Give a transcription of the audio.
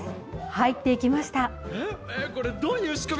入っていきました。